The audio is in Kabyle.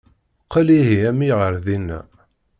Qel ihi a mmi ɣer dinna.